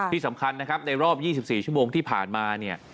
ที่สำคัญนะครับในรอบ๒๔ชั่วโมงที่ผ่านมาเนี่ย